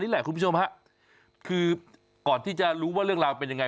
นี่แหละคุณผู้ชมฮะคือก่อนที่จะรู้ว่าเรื่องราวเป็นยังไง